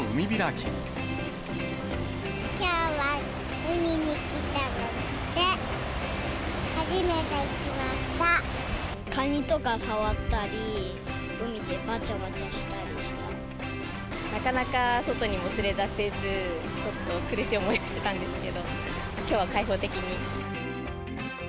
きょうは海にきたって、カニとか触ったり、なかなか外にも連れ出せず、ちょっと苦しい思いをしてたんですけど、きょうは開放的に。